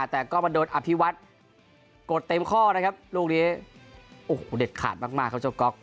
แต่ก็มาโดนอภิวัฒน์กดเต็มข้อนะครับลูกนี้โอ้โหเด็ดขาดมากครับเจ้าก๊อก